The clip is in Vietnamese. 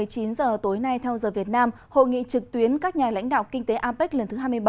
một mươi chín h tối nay theo giờ việt nam hội nghị trực tuyến các nhà lãnh đạo kinh tế apec lần thứ hai mươi bảy